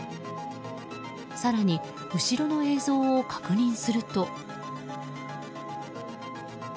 更に、後ろの映像を確認すると。